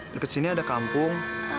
deket sini ada kampung